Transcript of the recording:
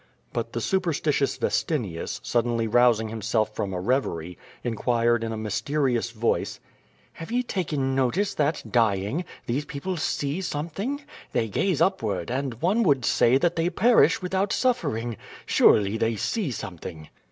But the superstitious Vestinius, suddenly rousing himself from a reverie, inquired in a mysterious voice: "Have ye taken notice that, dying, these people see some thing? They gaze upward, and one would say that they per ish without suffering. Surely, they see something."